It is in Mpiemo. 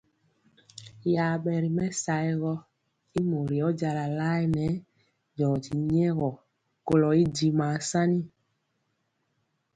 Yabe ri mɛsaogɔ y mori ɔjala laɛ nɛɛ joji nyegɔ kolo y dimaa sani.